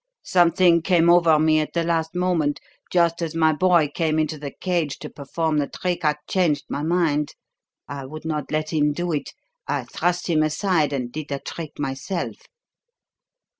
Something came over me at the last moment, just as my boy came into the cage to perform the trick I changed my mind. I would not let him do it. I thrust him aside and did the trick myself."